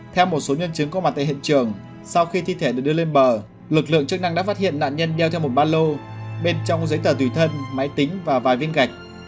theo một số nhân chứng có mặt tại hiện trường sau khi thi thể được đưa lên bờ lực lượng chức năng đã phát hiện nạn nhân đeo theo một ba lô bên trong giấy tờ tùy thân máy tính và vài viên gạch